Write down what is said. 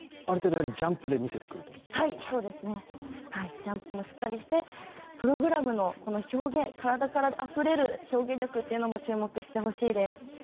ある程度、ジャンプで見せてくるジャンプもしっかりしてプログラムの表現、体からあふれる表現力も注目してほしいです。